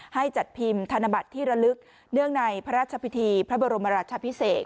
ให้จัดพิมพ์ธนบัตรที่ระลึกเนื่องในพระราชพิธีพระบรมราชาพิเศษ